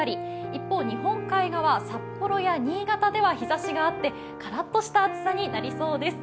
一方、日本海側、新潟や札幌では日ざしがあって、からっとした暑さになりそうです。